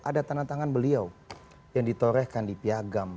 ada tanda tangan beliau yang ditorehkan di piagam